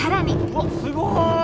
うわっすごい！